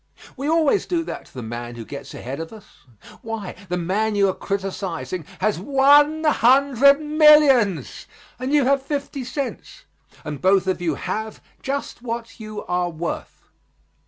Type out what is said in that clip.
We always do that to the man who gets ahead of us. Why, the man you are criticising has one hundred millions, and you have fifty cents, and both of you have just what you are worth.